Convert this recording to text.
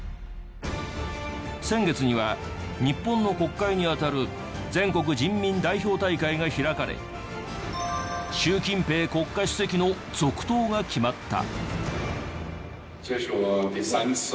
先月には日本の国会に当たる全国人民代表大会が開かれ習近平国家主席の続投が決まった。